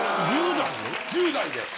１０代よ。